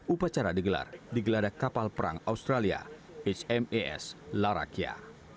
upacara digelar di geladak kapal perang australia hmas larakya